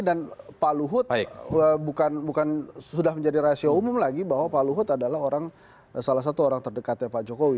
dan pak luhut bukan sudah menjadi rasio umum lagi bahwa pak luhut adalah orang salah satu orang terdekatnya pak jokowi